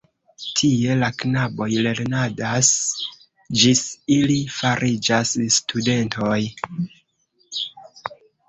Tie la knaboj lernadas ĝis ili fariĝas studentoj.